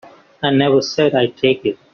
I never said I'd take it.